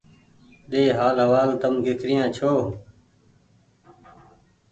ۮي حآل حوال تم ڪيکريآن ڇوٚنٚ